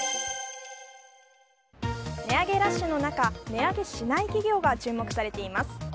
値上げラッシュの中値上げしない企業が注目されています。